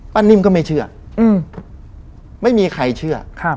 นิ่มก็ไม่เชื่อไม่มีใครเชื่อ